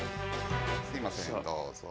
すみませんどうぞ。